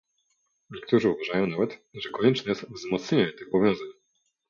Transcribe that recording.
Niektórzy uważają nawet, że konieczne jest wzmocnienie tych powiązań